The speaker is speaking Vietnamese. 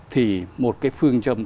thì một cái phương trầm